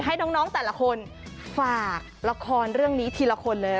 ให้น้องแต่ละคนฝากละครเรื่องนี้ทีละคนเลย